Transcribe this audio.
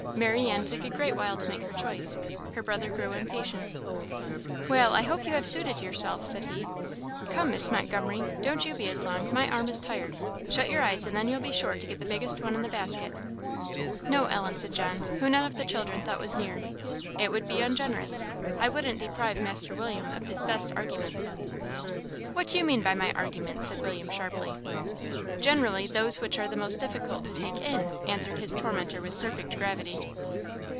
Marianne took a great while to make her choice. Her brother grew impatient. "Well, I hope you have suited yourself?" said he. "Come, Miss Montgomery, don't you be as long; my arm is tired. Shut your eyes, and then you'll be sure to get the biggest one in the basket." "No, Ellen," said John, who none of the children thought was near "it would be ungenerous I wouldn't deprive Master William of his best arguments." "What do you mean by my arguments?" said William, sharply. "Generally, those which are the most difficult to take in," answered his tormentor with perfect gravity.